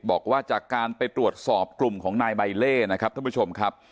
บอกว่าจากการไปตรวจสอบกลุ่มของนายใบเล่นะครับท่านผู้ชมครับ